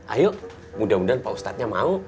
ayo mudah mudahan pak ustadznya mau